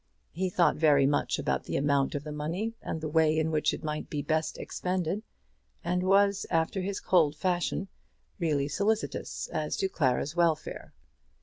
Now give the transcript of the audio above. He thought very much about the amount of the money and the way in which it might be best expended, and was, after his cold fashion, really solicitous as to Clara's welfare.